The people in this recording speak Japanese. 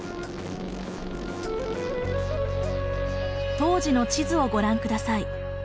当時の地図をご覧下さい。